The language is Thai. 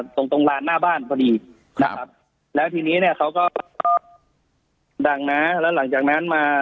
ตรงตรงลานหน้าบ้านพอดีนะครับแล้วทีนี้เนี่ยเขาก็ดังนะแล้วหลังจากนั้นมา